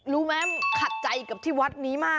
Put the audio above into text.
รู้ไหมขัดใจกับที่วัดนี้มาก